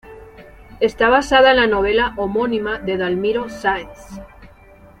Está basada en la novela homónima de Dalmiro Sáenz.